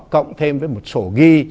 cộng thêm với một sổ ghi